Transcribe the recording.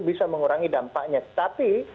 bisa mengurangi dampaknya tapi